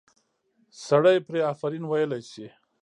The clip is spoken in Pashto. سړی پرې آفرین ویلی شي.